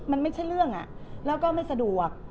มันไม่ใช่เรื่องแล้วก็ไม่สะดวก